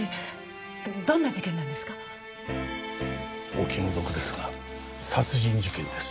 お気の毒ですが殺人事件です。